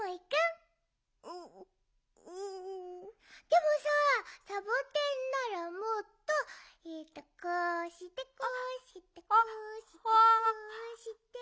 でもさあサボテンならもっとええっとこうしてこうして。